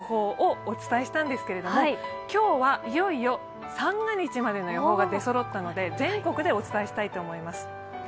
そして先週、東京の年末までの予報をお伝えしたんですが、今日はいよいよ三が日までの予報が出そろったので全国でお伝えしたいと思います。